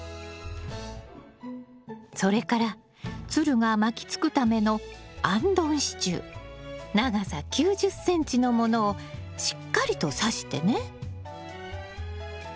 それからつるが巻きつくための長さ９０ｃｍのものをしっかりとさしてね。